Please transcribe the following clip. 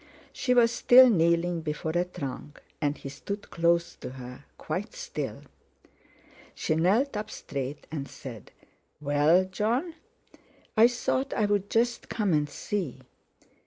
She was still kneeling before a trunk, and he stood close to her, quite still. She knelt up straight, and said: "Well, Jon?" "I thought I'd just come and see."